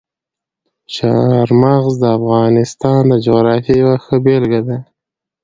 چار مغز د افغانستان د جغرافیې یوه ښه بېلګه ده.